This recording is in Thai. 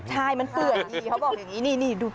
ใช่มันเปื่อยดีเขาบอกอย่างนี้นี่ดู